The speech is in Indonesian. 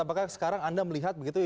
apakah sekarang anda melihat begitu